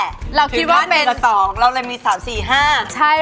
ถึงค่า๑กับ๒เราเลยมี๓๔๕